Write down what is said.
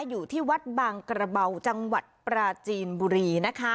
อยู่ที่วัดบางกระเบาจังหวัดปราจีนบุรีนะคะ